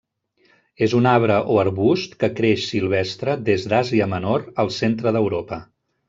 És un arbre o arbust que creix silvestre des d'Àsia menor al centre d'Europa.